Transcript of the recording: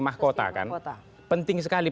mahkota kan penting sekali